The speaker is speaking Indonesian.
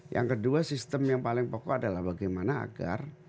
yang kedua sistem yang paling pokok adalah bagaimana agar